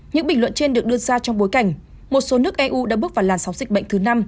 những bình luận trên được đưa ra trong bối cảnh một số nước eu đã bước vào làn sóng dịch bệnh thứ năm